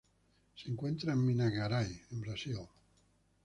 Se encuentra en Minas Gerais, en Brasil.